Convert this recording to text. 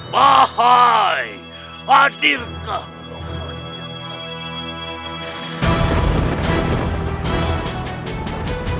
wahai penguasa di dalam kegelapan